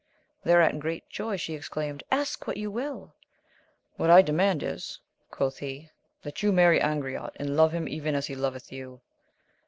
Thereat in great joy she exclaimed, ask what you will ! What I demand is, quoth he, that you marry Angriote, and ,love him even as he loveth you.